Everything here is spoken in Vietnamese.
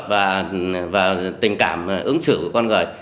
và tình cảm ứng xử của con người